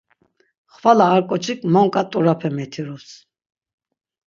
Xvala, ar ǩoçik monǩa t̆urape metirups.